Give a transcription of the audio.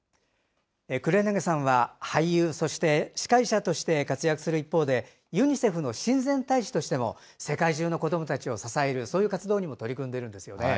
黒柳さんは俳優、そして司会者として活躍する一方で、ユニセフの親善大使としても世界中の子どもたちを支える、そういう活動にも取り組んでいるんですよね。